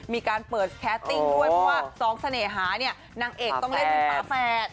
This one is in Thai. มีการเปิดสแคตติ้งด้วยเพราะว่าสองเสน่หานางเอกต้องเล่นพี่ฟ้าแฟด